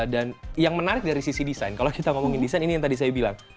dan yang menarik dari sisi desain kalau kita ngomongin desain ini yang tadi saya bilang